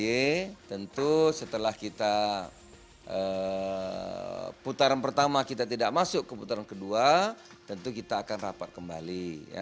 jadi tentu setelah kita putaran pertama kita tidak masuk ke putaran kedua tentu kita akan rapat kembali